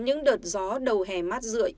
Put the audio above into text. những đợt gió đầu hè mát rượi